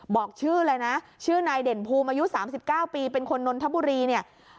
บอกชื่อเลยนะชื่อนายเด่นภูมิอายุ๓๙ปีเป็นคนนนทบุรีเนี่ย